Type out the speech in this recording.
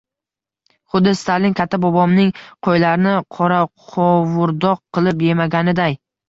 Xuddi Stalin katta bobomning qo’ylarini qoraqovurdoq qilib yemaganiday.